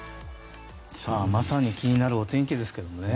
まさに気になるお天気ですけども。